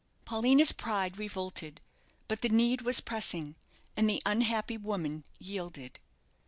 Paulina's pride revolted; but the need was pressing, and the unhappy woman yielded.